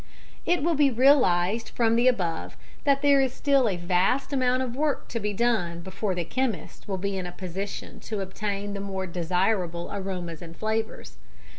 It will be realised from the above that there is still a vast amount of work to be done before the chemist will be in a position to obtain the more desirable aromas and flavours.